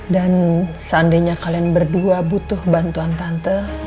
dan seandainya kalian berdua butuh bantuan tante